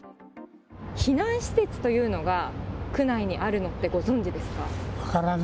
避難施設というのが区内にあるのってご存じですか？